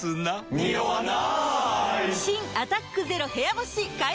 ニオわない！